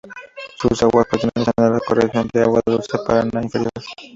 Sus aguas pertenecen a la ecorregión de agua dulce Paraná inferior.